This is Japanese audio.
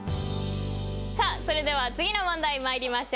さあそれでは次の問題参りましょう。